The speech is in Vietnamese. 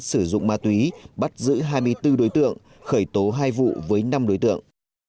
sử dụng ma túy bắt giữ hai mươi bốn đối tượng khởi tố hai vụ với năm đối tượng